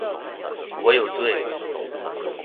我有罪